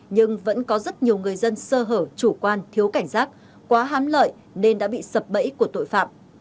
nhưng vẫn có rất nhiều người dân sơ hở chủ quan thiếu cảnh giác quá hám lợi nên đã bị sập bẫy của tội phạm